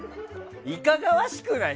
いかがわしくない？